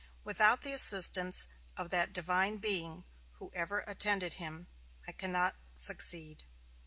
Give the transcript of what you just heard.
Without the assistance of that Divine Being who ever attended him, I cannot succeed.